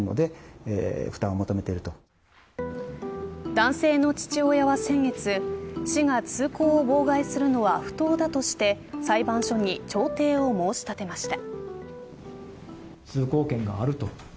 男性の父親は先月市が通行を妨害するのは不当だとして裁判所に調停を申し立てました。